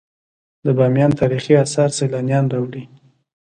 د بامیان تاریخي اثار سیلانیان راوړي